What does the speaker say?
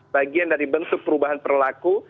bagian dari bentuk perubahan perilaku